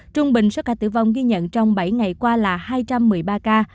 trung bình số ca tử vong ghi nhận trong bảy ngày qua là hai trăm một mươi ba ca